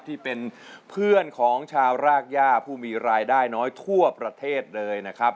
ที่เป็นเพื่อนของชาวรากย่าผู้มีรายได้น้อยทั่วประเทศเลยนะครับ